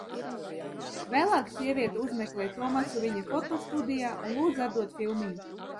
Vēlāk sieviete uzmeklē Tomasu viņa fotostudijā un lūdz atdot filmiņu.